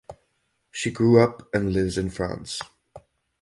She grew up and lives in France.